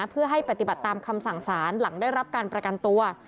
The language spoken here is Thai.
เพื่อให้ปฏิบัติตามคำสั่งสารหลังได้รับการประกันตัว